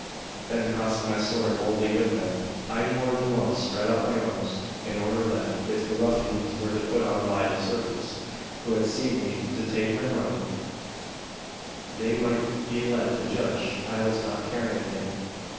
Then crossing my sword boldly with them, I more than once spread out my arms, in order that, if the ruffians were put on by the servants who had seen me take my money, they might be led to judge I was not carrying it.